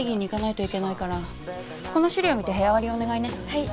はい。